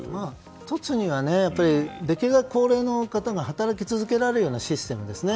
１つにはできるだけ高齢の方が働き続けられるようなシステムですね。